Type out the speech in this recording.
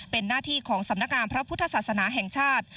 เป็นหน้าที่ของสำนักงานพระพุทธศาสนาแห่งชาติ